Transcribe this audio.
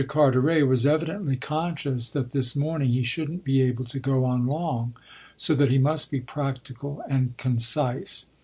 Carteret was evidently conscious that this morning he shouldn't be able to go on long, so that he must be practical and concise.